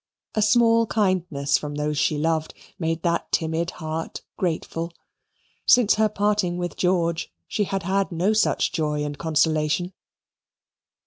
A small kindness from those she loved made that timid heart grateful. Since her parting with George she had had no such joy and consolation.